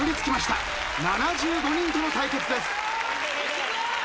７５人との対決です。